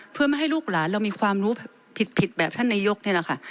เพื่อไม่ให้ลูกหลานเรามีความรู้ผิดแบบท่านนายกนี่แหละค่ะ